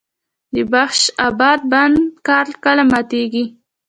د بخش اباد بند کار کله ماتیږي؟